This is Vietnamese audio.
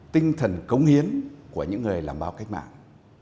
tinh thần cống hiến của những người làm báo cách mạng